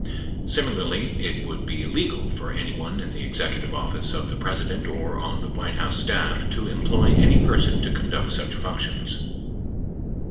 Similarly, it would be illegal for anyone in the Executive Office of the President or on the White House staff to employ any person to conduct such functions.